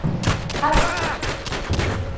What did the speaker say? Hatschi!